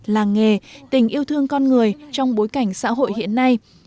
làng nghề tình yêu thương con người trong bối cảnh xã hội hiện nay